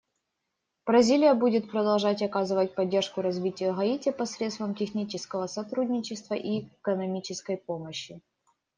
Бразилия будет продолжать оказывать поддержку развитию Гаити посредством технического сотрудничества и экономической помощи.